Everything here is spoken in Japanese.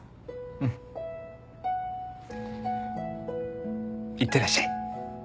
うん。いってらっしゃい。